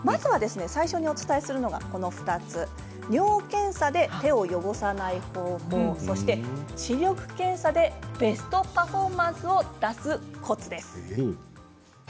最初にお伝えするのは２つ尿検査で手を汚さない方法そして視力検査でベストパフォーマンスを出すコツです。